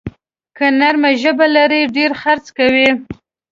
که نرمه ژبه لرې، ډېر خرڅ کوې.